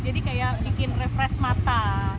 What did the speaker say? jadi kayak bikin refresh mata